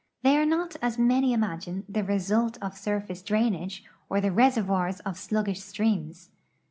They are not, as many imagine, the result of sur face drainage or the reservoirs of sluggish streams.